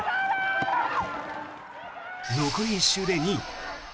残り１周で２位。